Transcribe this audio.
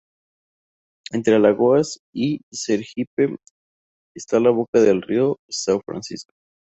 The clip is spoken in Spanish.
Entre Alagoas y Sergipe está la boca del río São Francisco.